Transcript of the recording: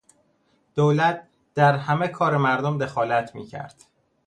دولت در همه کار مردم دخالت میکرد.